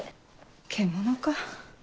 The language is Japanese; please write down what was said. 獣か。